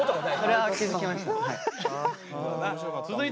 それは気付きましたはい。